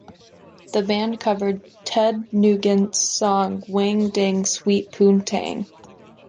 The band covered Ted Nugent's song "Wang Dang Sweet Poontang".